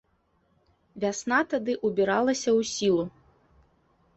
Вясна тады ўбіралася ў сілу.